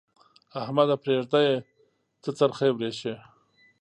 احمده! پرېږده يې؛ څه څرخی ورېشې.